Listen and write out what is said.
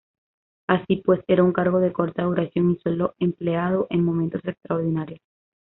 Así, pues, era un cargo de corta duración y solo empleado en momentos extraordinarios.